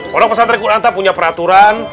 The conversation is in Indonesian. pondok pesantren kuranta punya peraturan